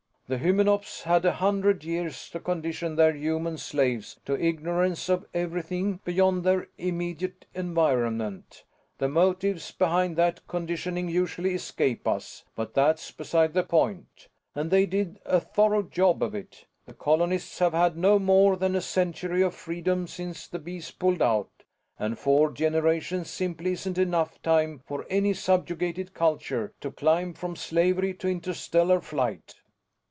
The Hymenops had a hundred years to condition their human slaves to ignorance of everything beyond their immediate environment the motives behind that conditioning usually escape us, but that's beside the point and they did a thorough job of it. The colonists have had no more than a century of freedom since the Bees pulled out, and four generations simply isn't enough time for any subjugated culture to climb from slavery to interstellar flight."